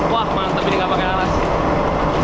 wah mantep ini tidak pakai alas